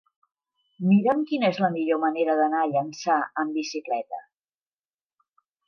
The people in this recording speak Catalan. Mira'm quina és la millor manera d'anar a Llançà amb bicicleta.